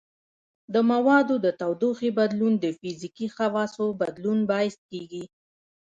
د موادو د تودوخې بدلون د فزیکي خواصو بدلون باعث کیږي.